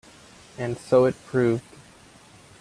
And so it proved.